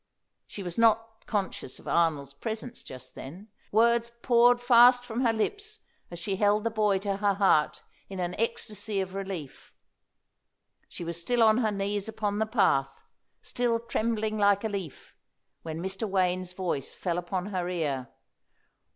She was not conscious of Arnold's presence just then. Words poured fast from her lips as she held the boy to her heart in an ecstasy of relief. She was still on her knees upon the path, still trembling like a leaf, when Mr. Wayne's voice fell upon her ear.